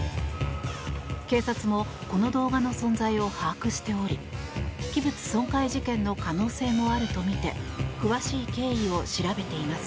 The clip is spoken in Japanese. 警察もこの動画の存在を把握しており器物損壊事件の可能性もあるとみて詳しい経緯を調べています。